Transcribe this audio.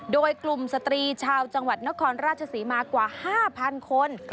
โดยกลุ่มสตรีชาวจังหวัดนครราชศรีมากว่า๕๐๐คน